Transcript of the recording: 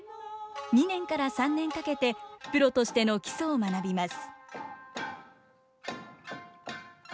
２年から３年かけてプロとしての基礎を学びます。